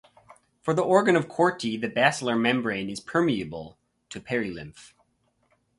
For the organ of Corti the basilar membrane is permeable to perilymph.